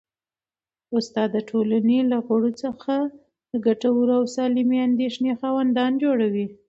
استاد د ټولني له غړو څخه د ګټورو او سالمې اندېښنې خاوندان جوړوي.